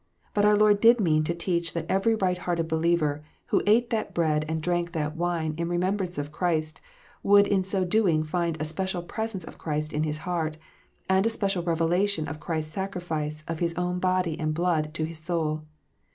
But our Lord did mean to teach that every right hearted believer, who ate that bread and drank that wine in remembrance of Christ, would in so doing find a special presence of Christ in his heart, and a special revelation of Christ s sacrifice of His own body and blood to his soul.